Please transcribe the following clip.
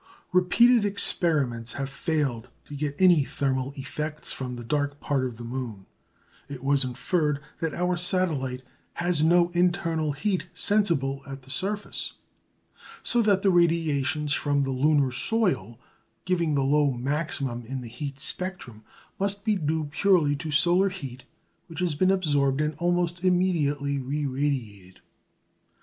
Repeated experiments having failed to get any thermal effects from the dark part of the moon, it was inferred that our satellite "has no internal heat sensible at the surface"; so that the radiations from the lunar soil giving the low maximum in the heat spectrum, "must be due purely to solar heat which has been absorbed and almost immediately re radiated."